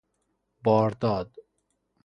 بارداد